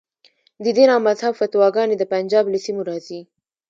د دین او مذهب فتواګانې د پنجاب له سیمو راځي.